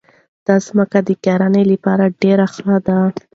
دا ځمکه د کرنې لپاره ډېره ښه ده.